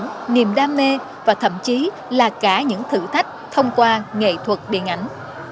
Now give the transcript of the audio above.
tình cảm niềm đam mê và thậm chí là cả những thử thách thông qua nghệ thuật điện ảnh